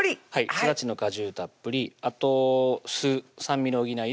すだちの果汁たっぷりあと酢酸味の補いでお酢です